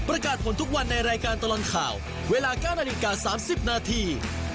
ประกาศผลทุกวันในรายการตลอดข่าวเวลา๙นาฬิกา๓๐นาที